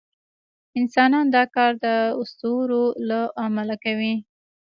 انسانان دا کار د اسطورو له امله کوي.